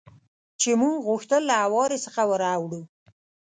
چې موږ غوښتل له هوارې څخه ور اوړو.